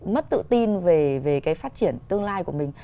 mất tự tin về cái phát triển tương lai của mình